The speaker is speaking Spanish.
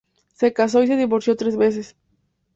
Se casó y se divorció tres veces.